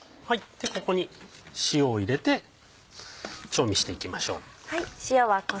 ここに塩を入れて調味していきましょう。